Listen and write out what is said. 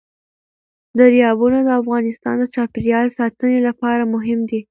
دریابونه د افغانستان د چاپیریال ساتنې لپاره مهم دي.